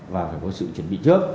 và phải có sự chuẩn bị trước